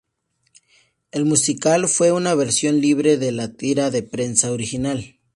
El musical fue una versión libre de la tira de prensa original.